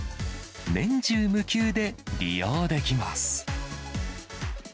年中無休で利用できます。